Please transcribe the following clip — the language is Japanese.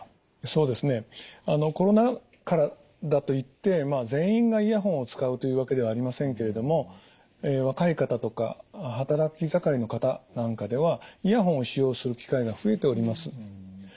そうですねあのコロナ禍だといってまあ全員がイヤホンを使うというわけではありませんけれども若い方とか働き盛りの方なんかではイヤホンを使用する機会が増えております。